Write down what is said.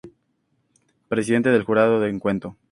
Presidente del jurado en cuento.